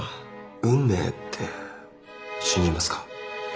運命って信じますか？